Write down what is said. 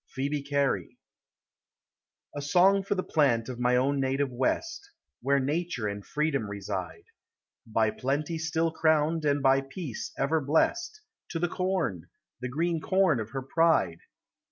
— PHCEBE CARY. A song for the plant of ray own Dative West, Where nature and freedom reside. By plenty still crowned, and by peace ever blest, To the corn! the greeo corn of her pride!